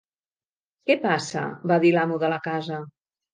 "Què passa?", va dir l'amo de la casa.